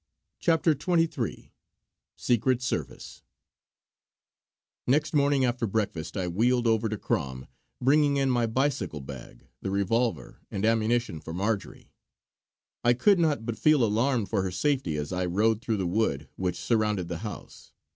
CHAPTER XXIII SECRET SERVICE Next morning after breakfast I wheeled over to Crom, bringing in my bicycle bag the revolver and ammunition for Marjory. I could not but feel alarmed for her safety as I rode through the wood which surrounded the house.